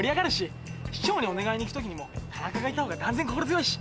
市長にお願いに行くときにも田中がいたほうが断然心強いし。